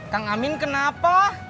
kang amin kenapa